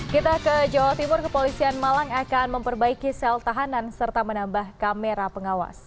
kita ke jawa timur kepolisian malang akan memperbaiki sel tahanan serta menambah kamera pengawas